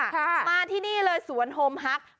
ค่ะมาที่นี่เลยสวนโฮมฮัก